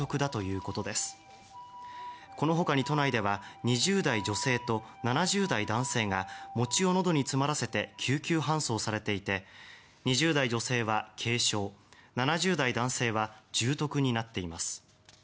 このほかに都内では２０代女性と７０代男性が餅をのどに詰まらせて救急搬送されていて２０代女性は軽症７０代男性は重篤になっています。